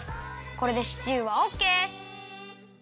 これでシチューはオッケー！